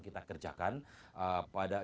kita kerjakan pada